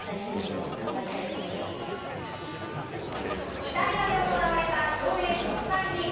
イタリアで行われた競泳国際リーグ。